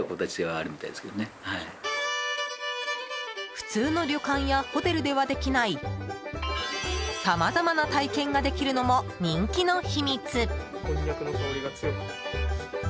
普通の旅館やホテルではできないさまざまな体験ができるのも人気の秘密。